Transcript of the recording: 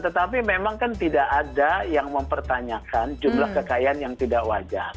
tetapi memang kan tidak ada yang mempertanyakan jumlah kekayaan yang tidak wajar